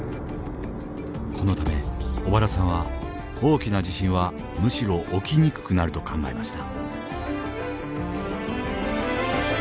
このため小原さんは大きな地震はむしろ起きにくくなると考えました。